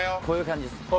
こういう感じです